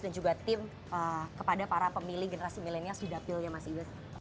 dan juga tim kepada para pemilih generasi milenial di dapilnya mas ibas